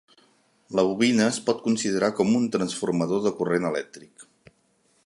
La bobina es pot considerar com un transformador de corrent elèctric.